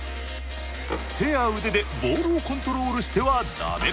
手や腕でボールをコントロールしては駄目。